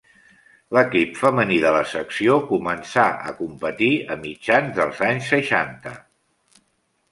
L'equip femení de la secció començà a competir a mitjans dels anys seixanta.